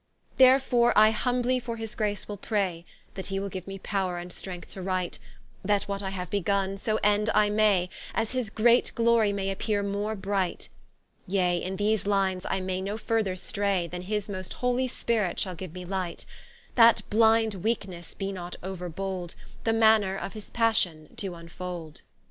Therefore I humbly for his Grace will pray, That he will give me Power and Strength to Write, That what I haue begun, so end I may, As his great Glory may appeare more bright; Yea in these Lines I may no further stray, Than his most holy Spirit shall giue me Light: That blindest Weakenesse be not over bold, The manner of his Passion to vnfold.